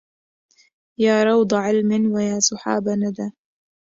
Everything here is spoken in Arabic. يا روض علم ويا سحاب ندى